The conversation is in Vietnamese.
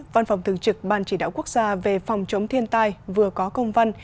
văn phòng thường trực ban chỉ đạo quốc gia về phòng chống thiên tai vừa có công văn